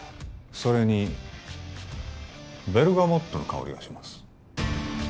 それにベルガモットの香りがします